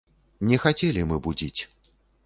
Не хацелі мы будзіць.